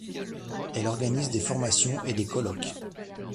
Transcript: Elle organise des formations et des colloques.